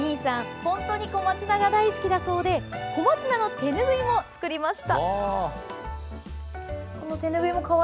本当に小松菜が大好きだそうで小松菜の手ぬぐいも作りました。